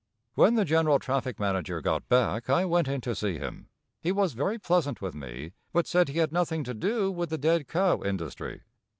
When the general traffic manager got back I went in to see him. He was very pleasant with me, but said he had nothing to do with the dead cow industry.